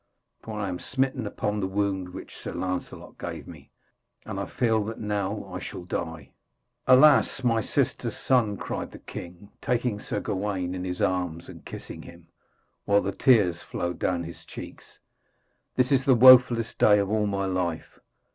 For I am smitten upon the wound which Sir Lancelot gave me, and I feel that now I shall die.' 'Alas, my sister's son,' cried the king, taking Sir Gawaine in his arms and kissing him, while the tears flowed down his cheeks, 'this is the wofullest day of all my life.